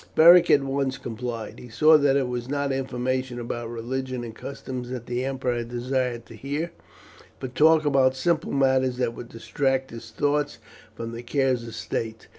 Beric at once complied. He saw that it was not information about religion and customs that the emperor desired to hear, but talk about simple matters that would distract his thoughts from the cares of state.